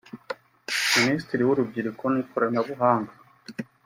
Minisitiri w’urubyiruko n’ikoranabuganga